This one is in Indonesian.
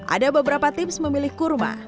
ada beberapa tips memilih kurma